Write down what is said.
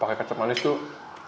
pakai kecap manis tuh